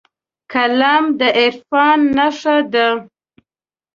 قلم د عرفان نښه ده